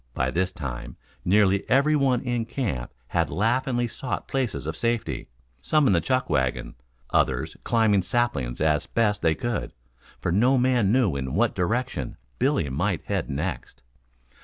By this time nearly everyone in camp had laughingly sought places of safety, some in the chuck wagon, others climbing saplings as best they could, for no man knew in what direction Billy might head next.